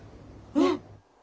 うん。